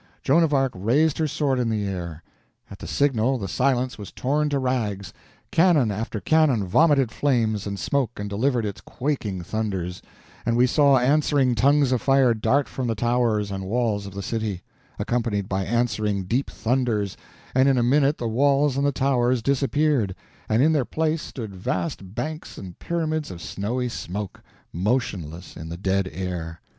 Joan of Arc raised her sword in the air. At the signal, the silence was torn to rags; cannon after cannon vomited flames and smoke and delivered its quaking thunders; and we saw answering tongues of fire dart from the towers and walls of the city, accompanied by answering deep thunders, and in a minute the walls and the towers disappeared, and in their place stood vast banks and pyramids of snowy smoke, motionless in the dead air.